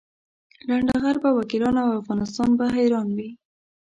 لنډه غر به وکیلان او افغانستان به حیران وي.